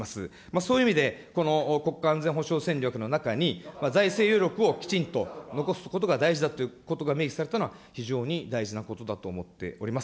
そういう意味で、この国家安全保障戦略の中に、財政余力をきちんと残すことが大事だということが明記されたのは、非常に大事なことだと思っております。